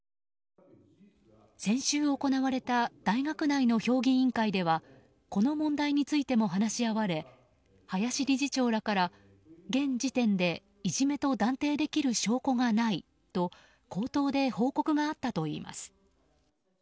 先週行われた大学内の評議員会ではこの問題についても話し合われ林理事長らから現時点でいじめと断定できる証拠がないと口頭で報告があったといいます。